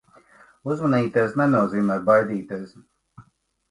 Uzmanīties nenozīmē baidīties.